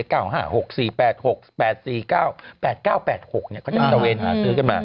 ๘๙๘๖เขาก็จะมีตะเวนซื้อกันมา